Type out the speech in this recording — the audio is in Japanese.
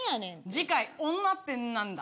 次回女ってなんだ？